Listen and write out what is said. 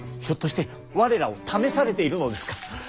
ひょっとして我らを試されているのですか？